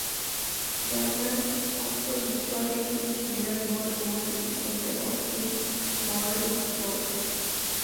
Dayman also installed a huge mirror ball over the centre of the ballroom's floor.